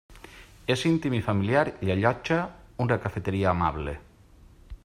És íntim i familiar, i allotja una cafeteria amable.